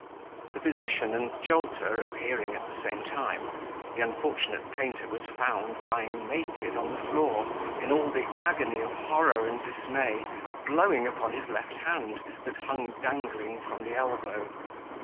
The physician and Jolter appearing at the same time, the unfortunate painter was found lying naked on the floor, in all the agony of horror and dismay, blowing upon his left hand, that hung dangling from the elbow.